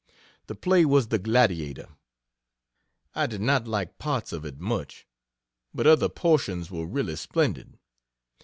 The play was the "Gladiator." I did not like parts of it much, but other portions were really splendid.